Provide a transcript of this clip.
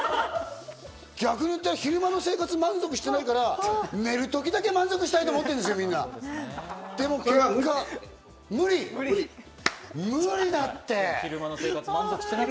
逆に言ったら昼間の生活に満足してないから、寝るときだけ満足したいとみんな思ってるんでそれは無理ですね。